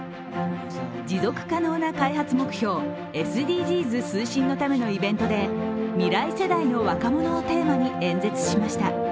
持続可能な開発目標＝ＳＤＧｓ推進のためのイベントで未来世代の若者をテーマに演説しました。